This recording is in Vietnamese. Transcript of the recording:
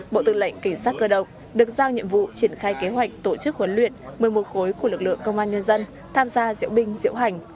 bộ tư lệnh cảnh sát cơ động được giao nhiệm vụ triển khai kế hoạch tổ chức huấn luyện một mươi một khối của lực lượng công an nhân dân tham gia diễu binh diễu hành